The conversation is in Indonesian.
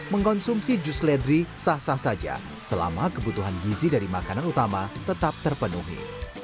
mengkonsumsi jus seledri sah sah saja selama kebutuhan gizi dari makanan utama tetap terpenuhi